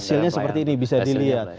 hasilnya seperti ini bisa dilihat